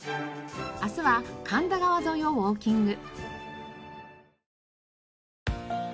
明日は神田川沿いをウォーキング。